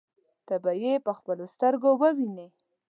ته به يې په خپلو سترګو ووینې.